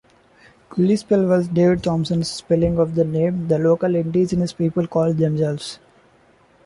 Kullyspel was David Thompson's spelling of the name the local indigenous people called themselves.